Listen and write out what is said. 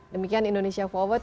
demikian indonesia forward